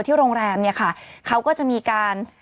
โรงแรมเนี่ยค่ะเขาก็จะมีการ